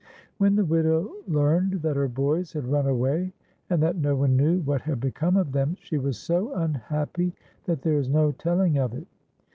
When the widow learned that her boys had run awa>', and that no one knew what had become of them, she was so unhappy that there is no telling of it.